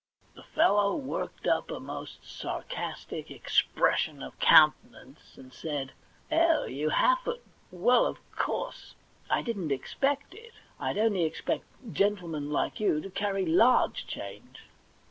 * The fellow worked up a most sarcastic expres sion of countenance, and said : *0h, you haven't? ^Yell, of course, I didn't expect it. I'd only expect gentlemen like you to carry large change.'